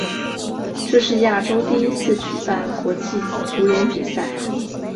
这是亚洲第一次举办国际足联比赛。